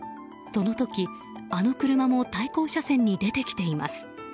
その時、あの車も対向車線に出てきています。